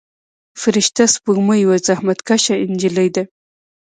فرشته سپوږمۍ یوه زحمت کشه نجلۍ ده.